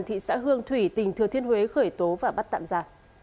thị xã hương thủy tỉnh thừa thiên huế khởi tố và bắt tạm ra